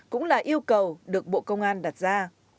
cũng là yêu cầu được bộ công an đặt ra